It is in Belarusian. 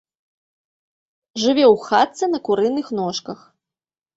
Жыве ў хатцы на курыных ножках.